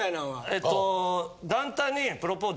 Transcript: えっと。